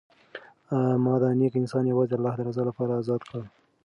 ما دا نېک انسان یوازې د الله د رضا لپاره ازاد کړ.